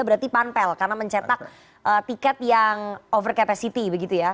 berarti panpel karena mencetak tiket yang over capacity begitu ya